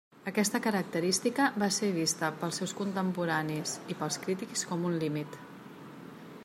Aquesta característica va ser vista pels seus contemporanis i pels crítics com un límit.